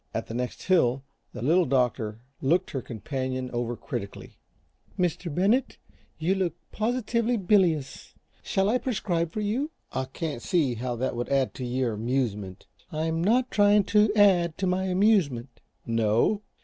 At the next hill the Little Doctor looked her companion over critically. "Mr. Bennett, you look positively bilious. Shall I prescribe for you?" "I can't see how that would add to your amusement." "I'm not trying to add to my amusement." "No?"